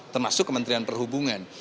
termasuk kementerian perhubungan